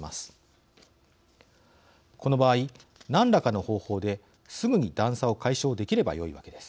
この場合何らかの方法ですぐに段差を解消できればよいわけです。